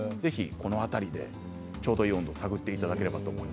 ぜひこの辺りでちょうどいい温度を探っていただければと思います。